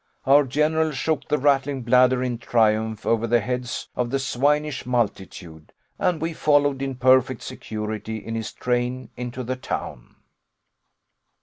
Our general shook the rattling bladder in triumph over the heads of 'the swinish multitude,' and we followed in perfect security in his train into the town.